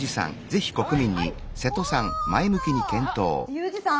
ユージさん。